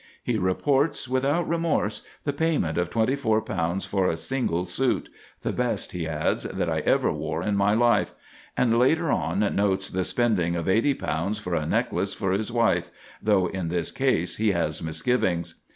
He reports, without remorse, the payment of twenty four pounds for a single suit—the best, he adds, "that I ever wore in my life"; and later on, notes the spending of eighty pounds for a necklace for his wife—though in this case he has misgivings.